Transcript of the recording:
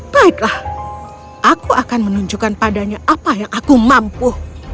baiklah aku akan menunjukkan padanya apa yang aku mampu